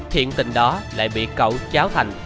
thiện tình đó lại bị cậu cháu thành